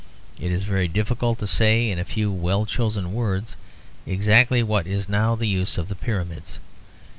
It is very difficult to say in a few well chosen words exactly what is now the use of the Pyramids.